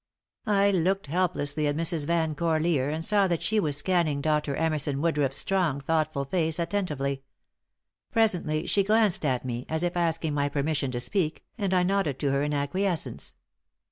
I looked helplessly at Mrs. Van Corlear and saw that she was scanning Dr. Emerson Woodruff's strong, thoughtful face attentively. Presently, she glanced at me, as if asking my permission to speak, and I nodded to her in acquiescence.